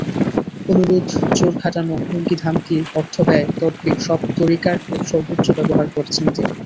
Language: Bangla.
অনুরোধ, জোর খাটানো, হুমকি-ধমকি, অর্থব্যয়, তদবির—সব তরিকার সর্বোচ্চ ব্যবহার করছেন তিনি।